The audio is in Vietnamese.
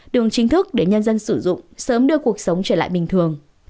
đường chính thức để nhân dân sử dụng sớm đưa cuộc sống trở lại bình thường